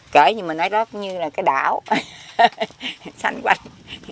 kể gì mà nói đó cũng như là cái đảo xanh quanh